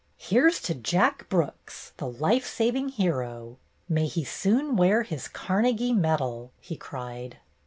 "Here 's to Jack Brooks, the life saving hero! May he soon wear his Carnegie medal!" he cried.